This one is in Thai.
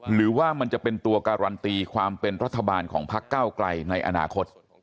หรือว่ามันจะเป็นตัวการันตีความเป็นรัฐบาลของพักเก้าไกลในอนาคต